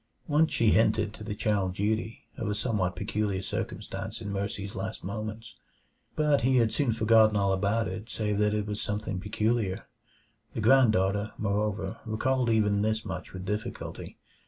Once she hinted to the child Dutee of a somewhat peculiar circumstance in Mercy's last moments, but he had soon forgotten all about it save that it was something peculiar. The granddaughter, moreover, recalled even this much with difficulty.